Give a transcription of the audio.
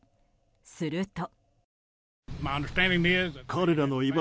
すると。